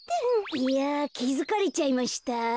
いやきづかれちゃいました？